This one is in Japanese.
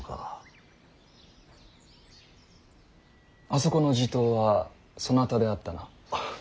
あそこの地頭はそなたであったな。